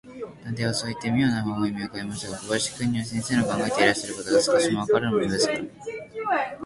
探偵はそういって、みょうな微笑をうかべましたが、小林君には、先生の考えていらっしゃることが、少しもわからぬものですから、